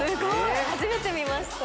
初めて見ました。